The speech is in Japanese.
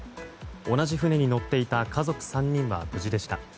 同じ船に乗っていた家族３人は無事でした。